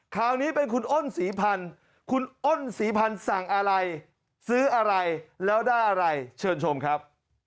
คราวนี้เป็นคุณอ้นศรีพันธุ์คุณอ้นศรีพันธ์สั่งอะไรซื้ออะไรแล้วได้อะไรเชิญชมครับ